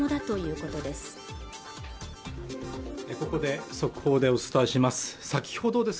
ここで速報でお伝えします